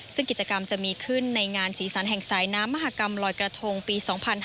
ซึ่งกิจกรรมจะมีขึ้นในงานสีสันแห่งสายน้ำมหากรรมลอยกระทงปี๒๕๕๙